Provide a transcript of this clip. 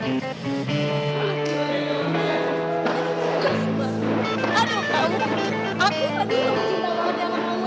aduh aku lagi mau mencintaimu